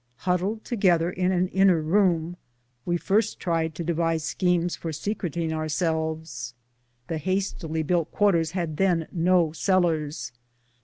Huddled together in an inner room, we first tried to devise schemes for secreting ourselves. The hastily built quarters had then no cellars.